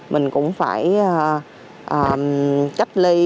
mình cũng phải trách ly